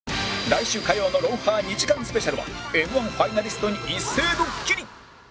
来週火曜の『ロンハー』２時間スペシャルは Ｍ−１ ファイナリストに一斉ドッキリ